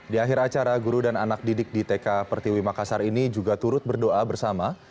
di akhir acara guru dan anak didik di tk pertiwi makassar ini juga turut berdoa bersama